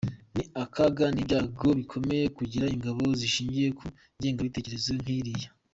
Ni akaga n’ibyago bikomeye kugira ingabo zishingiye ku ngengabitekerezo nk’iriya.